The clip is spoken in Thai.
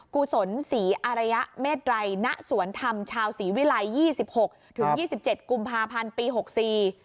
กุศลศรีอารยะเมดรัยณสวรรค์ธรรมชาวศรีวิรัย๒๖๒๗กุมภาพันธ์ปี๖๔